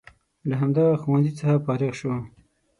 له همدغه ښوونځي څخه فارغ شو.